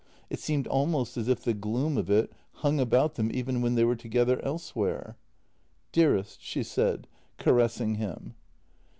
It seemed almost as if the gloom of it hung about them even when they were together elsewhere. " Dearest," she said, caressing him.